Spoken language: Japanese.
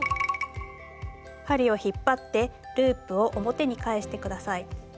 針を引っ張ってループを表に返して下さい。